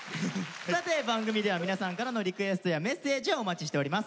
さて番組では皆さんからのリクエストやメッセージをお待ちしております。